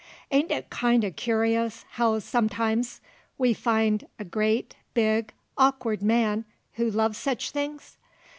Ain't it kind o' curious how sometimes we find a great, big, awkward man who loves sech things?